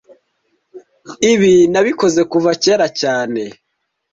Ibi nabikoze kuva kera cyane